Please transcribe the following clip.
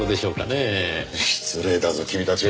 失礼だぞ君たち。